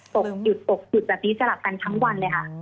ตกหยุดตกหยุดแบบนี้จะหลับกันทั้งวันเลยค่ะ